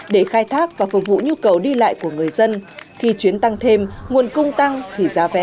để khai thác và phục vụ nhu cầu đi lại của người dân khi chuyến tăng thêm nguồn cung tăng thì giá vé